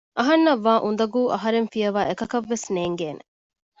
އަހަންނަށް ވާ އުނދަގޫ އަހަރެން ފިޔަވައި އެކަކަށްވެސް ނޭނގޭނެ